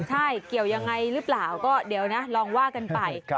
ใช่เกี่ยวยังไงหรือเปล่าก็เดี๋ยวนะลองว่ากันไป